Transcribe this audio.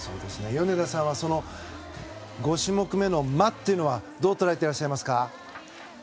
米田さんは５種目目の魔というのはどう捉えていらっしゃいますか。